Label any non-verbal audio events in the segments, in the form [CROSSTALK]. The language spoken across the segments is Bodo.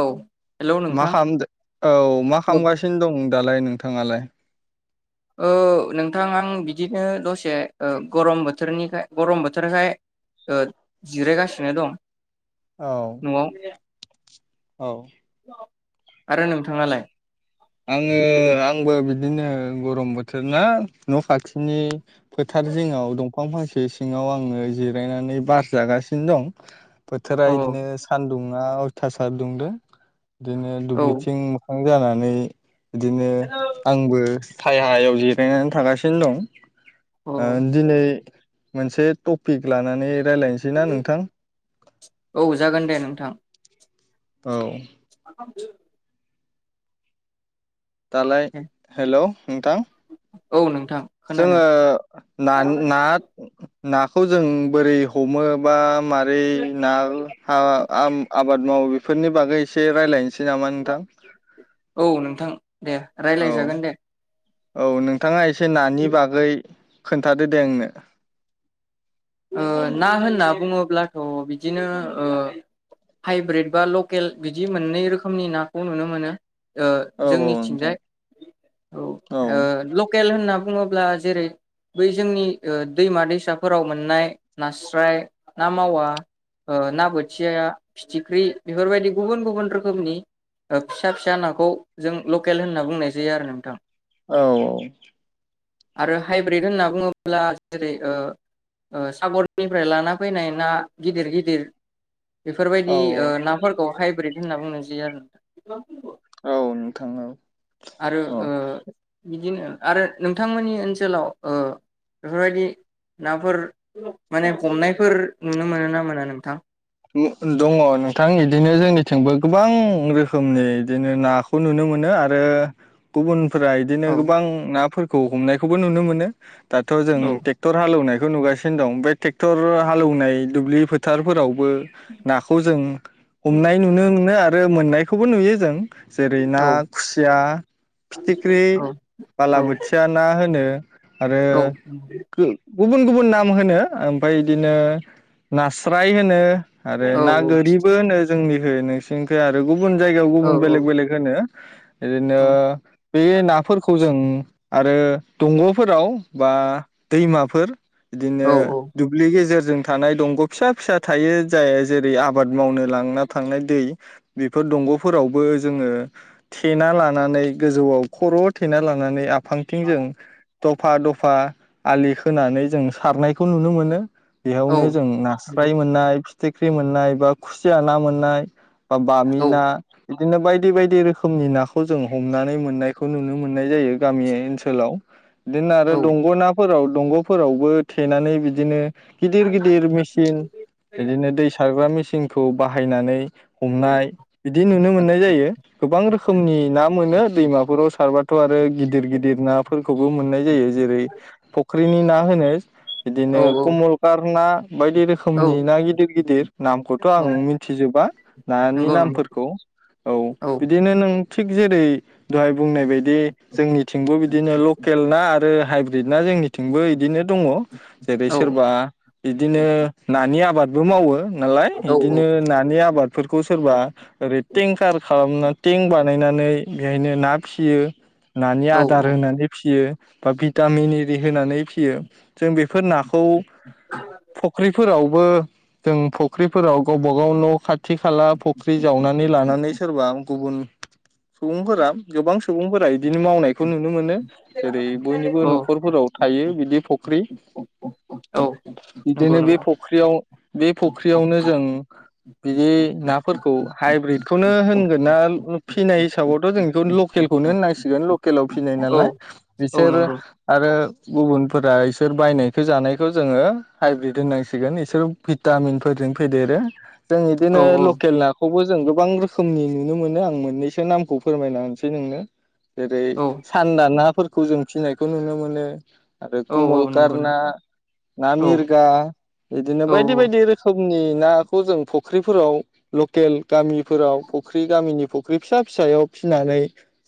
औ। हेलौ मा नोंथां खालामदो औ मा औ खालामगासिनो दं? दालाय नोंथाङालाय? औ नोंथां आं बिदिनो दसे ओ गरम बोथोरनिखाय गरम बोथोरखाय ओ जिरायगासिनो दं। औ नआव। औ आरो नोंथाङालाय? आङो आंबो बिदिनो गरम बोथोर ना न' खाथिनि फोथार जिङाव दंफां फांसे सिङाव आङो जिरायनानै बार जागासिनो दं बोथोरा अ बिदिनो सान दुङा अयथासार दुंदों। बिदिनो औ दुब्लिथिं बिफां जानानै बिदिनो अ आंबो सायायाव जिरायनानै थागासिनो दं [INAUDIBLE] ओ दिनै मोनसे टपिक लानानै रायलायनोसै ना नोंथां औ जागोन दे नोंथां औ [UNINTELLIGIBLE] दालाय हेलौ नोंथां औ नों जोङो ना ना नाखौ जों बोरै हमो बा मारै ना [UNINTELLIGIBLE] आबाद मावो बेफोरनि बागै एसे रायज्लायनोसै नामा नोंथां औ नोंथां दे औ राय्लाय जागोन दे औ नोंथाङा ए एसे ना नि बागै खोन्थादो दे आंनो ना होनना बुङोब- अब्लाथ' बिदिनो ओ हाइब्रिद बा लकेल बिदि मोननै रोखोमनि नाखौ नुनो मोनो ओ औ औ नोंथां जोंनिथिंजाय औ ओ लके [UNINTELLIGIBLE] होनना बुङोब्ला जेरै बै जोंनि दैमा दैसाफोराव मोननाय नास्राय ना मावा ना बोथिया फिथिख्रि बेफोरबायदि गुबुन गुबुन रोखोमनि फिसा फिसा नाखौ जों लकेल होनना बुंनाय जायो आरो नोंथां औ औ आरो हाइब्रिद होनना बुङोब्ला जेरै ओ सागरनिफ्राय लाना फैनाय ना गिदिर गिदिर औ बेफोरबायदि नाफोरखौ हाइब्रिद होनना बुंनाय जायो आरो नोंथां औ नोंथां औ आरो औ ओ बिदिनो आरो नोंथांमोननि ओनसोलाव ओ बेफोरबायदि नाफोर माने हमनायफोर नुनो मोनो ना मोना नोंथां? उम दङ नोंथां इदिनो जोंनिथिंबो गोबां रोखोमनि बिदिनो नाखौ नुनो मोनो आरो गुबुन फोरा बिदिनो औ गोबां नाफोर खौ हमनायखौबो नुनो मोनो दाथ जों औ ट्रेक्टर हालौवनायखौ नुगासिनो दं बे ट्रेक्टर हालेवनाय दुब्लि फोथारफोराव बो नाखौ जों हमनाय नुनो मोनो आ मोननायखौबो नुयो जों जेरै ना औ खुसिया फिथिख्रि औ औ बालाबोथिया ना होनो आरो औ गो गुबुन गुबुन नाम होनो ओमफ्राय बिदिनो नास्राय होनो आरो औ ना गोरिबो होनो जोंनि [UNINTELLIGIBLE] जोंखै आरो गुबुन जायगायाव गुबुन बेलेग बेलेग होनो बिदिनो बे नाफोरखौ जों आरो दंगफोराव बा दैमाफोर बिदिनो दुब्लि गेजेर जों थानाय दंग फिसा फिसा थायो जाय जेरै आबाद मावनो लांना थांनाय दै बेफोर दंगफोरावबो जोङो थेना लानानै गोजौआव खर'आव थेना लानानै आ फांथिं जों दफा दफा आलि खोनानै जों सारनायखौ नुनो मोनो बेयावनो जों नास्राय मोन्नाय फिथिख्रि मोन्नाय बा खुसिया ना मोन्नाय बा बामि ना बिदिनो बायदि बायदि रोखोमनि नाखौ जों हमनानै मोननायखौ नुनो मोन्नाय जायो गामि ओनसोलाव बिदिनो आरो दंगनाफोराव दंगफोरावबो थेनानै बिदिनो गिदिर गिदिर मेसिन बिदिनो दै साग्रा मेसिन सिंखौ बाहायनानै हमनाय बिदि नुनो मोननाय जायो गोबां रोखोमनि ना मोनो दैमाफोराव सारबाथ' आरो गिदिर गिदिर नाफोरखौबो मोननाय जायो जेरै फख फुख्रिनि ना होनो औ बिदिनो औ कमल कार ना बायदि औ रोखोमनि ना गिद गिदिर गिदिर नामखौथ' आं मिथिजोबा नानि नंगौ नामफोरखौ औ बिदिनो नों थिग जेरै दहाय बुंनाय बायदि जोंनिथिंबो बिदिनो लकेल ना आरो हाइब्रिद ना जोंनिथिंबो बिदिनो दङ जेरै औ सोरबा बिदिनो नानि आबाद बो मावो नालाय औ नंगौ औ बिदिनो नानि आबादफोरखौ सोरबा ओरै टेंकार खालामना टेंक बान बानायनानै बेहायनो ना फिसियो नानि औ आदार होनानै फियो बा भिटामिन एरि होनानै फियो जों बेफोर नाखौ फुख्रिफोरावबो जों फख्रिफोराव गावबा गाव न' खाथ थि खाला फुख्रि जावनानै लानानै सोरबा गुबुन सुबुंफोरा गोबां सुबुंफोरा इदिनो मावनायखौ नुनो मोनो जेरै बयनिबो औ नखरफोराव थायो बिदि फख्रि औ नंगौ बिदिनो बे नंगौ फख्रियाव बे फुख्रियावनो जों बिदि नाफोरखौ हाइब्रिदखौनो होनगोन ना फिनाय हिसाबावथ' जों बेखौ लकेलखौनो होननां सिगोन। केलाव फिनाय औ नालाय औ बिसोरो नंगौ आरो गुबुनफोरा इसोर बायनायखो जानायखौ जोङो हाइब्रिद होननांसिगोन इसोर भिटामिन फोरदों फेदेरो। जों औ इदिनो लकेल नाखौबो जों गोबां रोखोमनि नुनो मोनो आं मोननैसो नामखौ फोरमायना होसै नोंनो जेरै सानदा नाफोरखौ जों फिनायखौ नुनो मोनो। आरो औ औ कमलकार नंगौ ना नोंथां ना औ मिरगा इदिनो औ बायदि बायदि रोखोम उननि नाखौ जों फुख्रिफोराव लकेल गामिफोराव फुख्रि गामिनि फख्रि फिसा फिसायाव फिनानै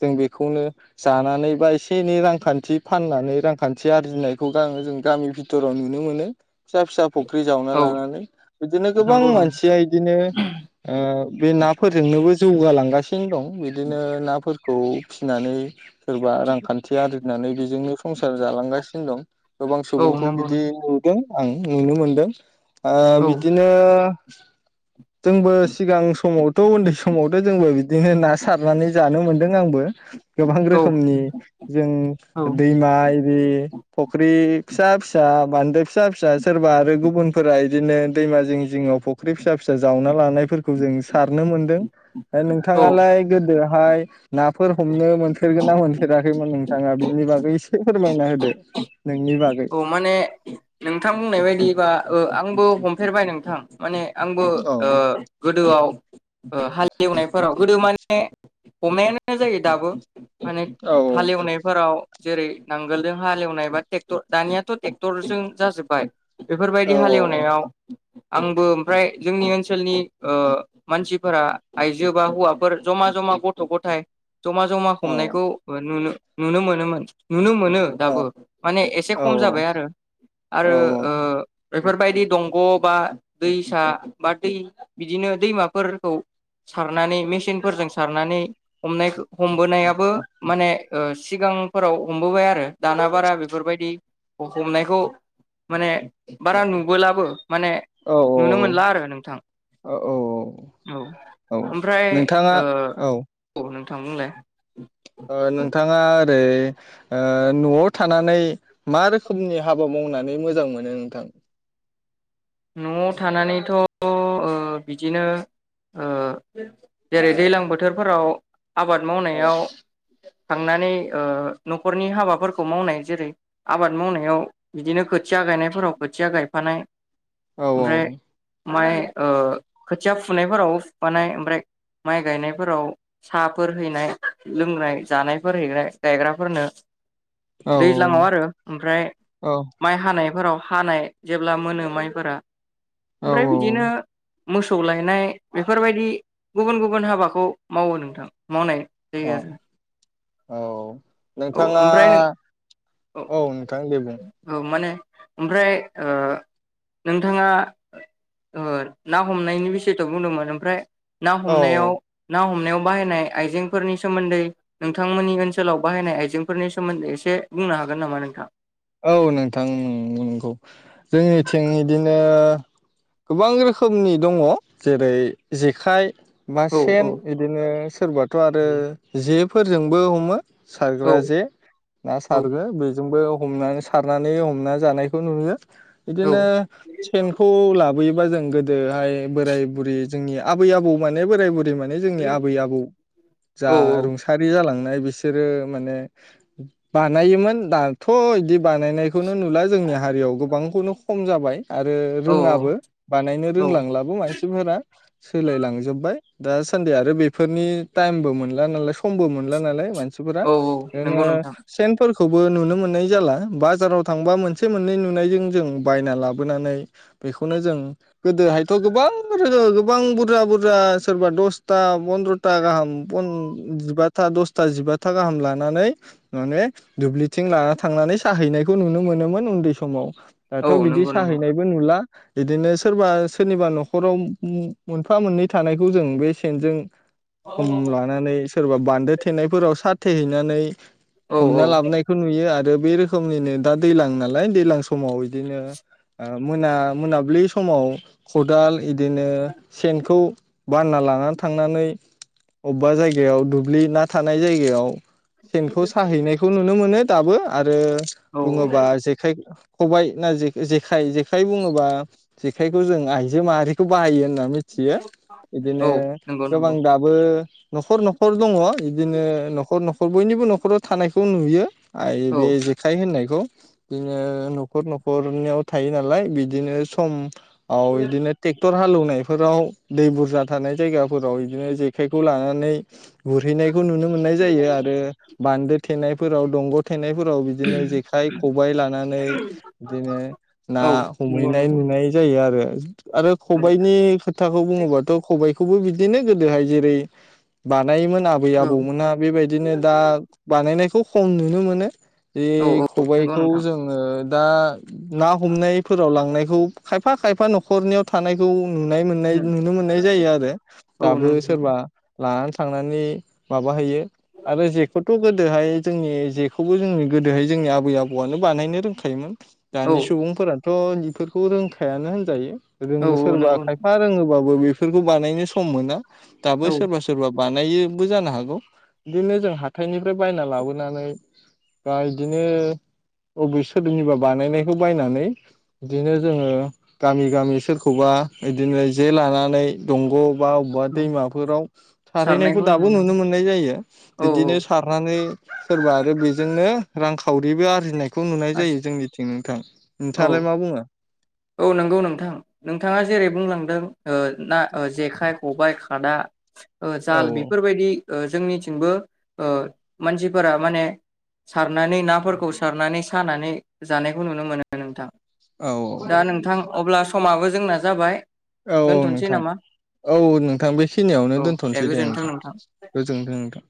जों बेखौनो जानानै बा एसे एनै रांखान्थि फाननानै रांखान्थि आरजिनायखौ गामि जों गामि भिथोराव नुनो मोनो फिसा फिसा फख्रि जावना औ लानानै बिदिनो गोबां नंगौ नंगौ मानसिया इदिनो ओ बे नाफोर जोंनोबो जौगालांगासिनो दं बिदिनो नाफोरखौ फिनानै सोरबा रांखान्थि आरजिनानै बेजोंनो संसार जालांगासिनो दं। गोबां औ सुबुंखौ नंगौ नंगौ बिदि नुदों। आं नुनो मोनदों। ओ औ बिदिनो [INAUDIBLE] जोंबो सिगां समाव थ' उन्दै समावथ' जोंबो बिद दिनो ना सारनानै जानो मोनदों आंबो। गोबां रोखोमनि जों औ दैमा आरि फुख्रि फिसा फिसा बान्दो फिसा फिसा सोरबा आरो गुबुन फोरा इदिनो दैमा जिं जिङाव फख्रि फि फिसा फिसा जावना लानायफोरखौ जों सारनो मोनदों औ नोंथाङालाय गोदोहाय नाफोर हमनो मोनफेरगोन ना मोनफेरा खैमोन नोंथाङा बिनि बागै एसे फोरमायना होदो। नोंनि बागै औ माने नोंथां बुंनाय बायदिबा ओ आंबो हमफेरबाय नोंथां माने आंबो औ ओ गो गोदोआव ओ हाल एवनायफोराव गोदो माने हमनायानो जायो दाबो। माने औ हालेवनायफोराव। जेरै नांगोलजों हालेवनाय बा टे क्टर दानियाथ ट्रेक्टर जोंसो जाजोब्बाय बेफोरबायदि औ हालेवनायाव आंबो ओमफ्राय जोंनि ओन्सोलनि ओ मानसिफोरा आइजो बा हौवाफोर जमा जमा गथ' गथाय जमा जमा औ हमनायखौ ओ नुनो नुनो मोनोमोन। नुनो मोनो दाबो। माने एसे औ खम जाबाय आरो आरो औ औ ओ बेफोरबायदि दंग बा दैसा बा दै बिदिनो दैमाफोरखौ सारनानै मेसिन फोरजों सारनानै हमनाय हमबोनायाबो माने ओ सिगांफोराव हमबोबाय आरो दाना बारा बे फोरबायदि हमनायखौ माने बारा नुबोलाबो माने औ नुनो मोनला आरो नोंथां। औ औ औ औ ओमफ्राय नोंथाङा औ ओ औ थां बुंलाय ओ नोंथाङा ओरै ओ नआव थानानै मा रोखोमनि हाबा मावनानै मोजां मोनो नोंथां? नआव थानानैथ ओ बिदिनो ओ जेरै दैज्लां बोथोरफोराव आबाद औ मावनायाव थांनानै ओ नखरनि हाबाफोरखौ मावनाय जेरै आबाद मावनायाव बिदिनो खोथिया गायनायफोराव खोथिया गायफानाय औ ओमफ्राय औ माइ ओ खोथिया फुनायफोरावबो फुफानाय ओमफ्राय माइ गायनायफोराव साहाफोर हैनाय लोंनाय जानायफोर हैनाय गायग्राफोरनो औ दैज्लाङाव आरो ओमफ्राय माइ हानायफोराव हानाय जेब्ला मोनो माइफोरा औ ओमफ्राय बिदिनो मोसौ लायनाय बेफोरबायदि गुबुन गुबुन हाबाखौ मावो नोंथां मावनाय औ जायो आरो औ औ नोंथाङा ओमफ्राय औ नोंथां दे बुं औ माने ओमफ्राय ओ नोंथाङा ओ ना हमनायनि बिसयथ बुंदोंमोन ओमफ्राय ना औ हमनायाव ना हमनायाव बाहायनाय आइजेंफोरनि सोमोन्दै नोंथांमोननि ओन्सोलाव बाहायनाय आइजेंफोरनि सोमोन्दै एसे बुंनो हागोन नामा नोंथां? औ नोंथां नंगौ जोंनिथिं इदिनो गोबां रोखोमनि दङ जेरै जेखाइ मा औ सेन औ बिदिनो सोरबाथ' आरो जिब फोरजोंबो हमो औ सारग्रा जे ना औ सारगो बेजोंबो हमनानै सारनानै हमना जानायखौ नुयो औ बिदिनो सेनखौ लाबोयो बा जों गोदोहाय बोराय बुरै जोंनि आबै आबौ माने बोराय बुरै माने जोंनि आबै आबौ जा औ रुंसारि जालां बाय बिसोरो माने बानायोमोन दा थ' इदि बानायनाइ खौनो नुला जोंनि हारियाव गोबांखौनो खम जाबाय आरो औ रोङाबो बानायनो औ रोंलांलाबो मानसिफोरा सोलाय लांजोबबाय दा सानदि आरो बेफोरनि टाइमबो मोनला नालाय समबो मोनला नालाय मानसि सिफोरा औ औ ओरैनो नंगौ नोंथां सेनफोर खौबो नुनो मोन नाय जाला बाजाराव थांबा मोनसे मोननै नुनायजों जों बायना लाबोनानै बेखौनो जों गोदोहायथ' गोबां बुरजा बुरजा सोरबा दसथा पनद्रथा गाहाम पन बाथा दसथा जिबाथा गाहाम लानानै माने दु ब्लिथिं लाना थांनानै साहैनायखौ नुनो मोनोमोन उन्दै समाव दाथ औ बिदि नंगौ नंगौ साहैनायबो नुला। बिदिनो सोरबा सोरनिबा नखराव मोनफा मोननै थानायखौ जों बे सेनजों सम लानानै सोरबा बान्दो थेनायफोराव सा थेहैनानै औ औ हमना लाबोनायखौ नुयो आ रो बे रोखोमनिनो दा दैलां नालाय दैलां समाव दिनो ओ ओ मोना मोनाब्लि समाव खदाल इदिनो सेनखौ बानना लानानै थांनानै अबबा जायगायाव दुब्लि ना थानाय जायगायाव सेनखौ साहैनायखौ नुनो मोनो। दाबो आरो औ बुङोबा जेखाय खबाइ ना जेखाइ जेखाइ बुङोबा जेखायखौ जों आइजो माहारिखौ बाहायो हो ना मिथियो औ बिदिनो नंगौ गोबां नंगौ दाबो नखर नखर दङ बिदिनो नखर नखर बयनिबो नखराव थानायखौ नुयो आ औ बे जेखाइ होननायखौ बिदिनो नखर नखरनियाव थायो नालाय बिदिनो सम औ इदिनो टेक्टर हालौनाय फोराव दै बुरजा थानाय जायगाफोराव इदिनो जेखायखौ लानानै गुरहैनाय खौ नुनो मोननाय जायो आरो बान्दो थेनायफोराव दंग' थेनाय फोराव बिदिनो जेखाइ, खबाइ लानानै बिदिनो ना औ नंगौ हमहैनाय नंगौ नुनाय जायो आरो। [INAUDIBLE] आरो खबाइनि खोथाखौ बुङोबाथ' खबाइ खौबो बिदिनो गोदोहाय जेरै बा नायोमोन आबै औ आबौमोनहा बेबायदिनो दा बानायनायखौ खम नुनो मोनो। बे औ नंगौ खबाइखौ नोंथां जोङो दा ना हमनायफोराव लांनाय खौ खायफा खायफा नखरनियाव थानायखौ नुनाय मोननाय नुनो मोननाय जायो आरो औ दाबो नंगौ नोंथां सोरबा लाना थांनानै माबा हैयो। आरो जेखौथ' गोदोहाय जोंनि जेखौबो जोंनि गोदोहाय जोंनि आबै आबौआनो बानायनो रोंखायोमोन। औ दानि सुबुंफोरा थ' बेफोरखौ रोंखायानो होनजायो। औ रोङो औ सोरबा नंगौ खायफा रोङोब होबाबो बेफोरखौ बानायनो सम मोना। दाबो औ सोरबा सोरबा बानायोबो जानो हागौ बिदिनो जों हाथायनिफ्राय बायना लाबोनानै दा इदिनो बबे सोरनिबा बानायनायखौ बायनानै इदिनो जोङो गामि गामि सोरखौबा इदिनो जे लानानै दंग' बा अबबा औ दैमाफोराव सारहैनायखौ सारनायखौ दाबो मोनो नुनो मोननाय जायो औ औ इदिनो सारनानै सोरबा आरो बेजोंनो रांखावरिबो आरजिनाय खौ नुनाय जायो जोंनिथिं नोंथां औ नोंथाङालाय मा बुङो? औ नंगौ नोंथां नोंथाङा जेरै बुंलांदों ओ ना ओ जेखाइ खबाइ आदा ओ औ जाल बेफोरबायदि ओ जोंनिथिंबो ओ मानसिफोरा माने सारनानै नाफोरखौ सारनानै सानानै जानायखौ नुनो मोनो नोंथां। औ औ। दा नोंथां अब्ला समाबो जोंना जाबाय। औ औ दोनथ'नोसै नोंथां नामा औ नोंथां बेखिनियावनो दोनथनोसै दे नोंथां गोजोनथों नोंथां।